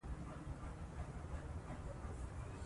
د اوبو سم مدیریت د اوږدمهاله سوکالۍ سبب ګرځي.